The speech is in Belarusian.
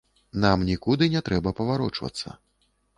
Нам нікуды не трэба паварочвацца.